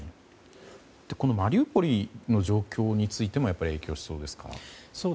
このマリウポリの状況についても影響しそうですか？